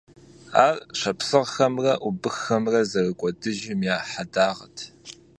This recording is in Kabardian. Ар шапсыгъхэмрэ убыххэмрэ зэрыкӀуэдыжым и хьэдагъэт.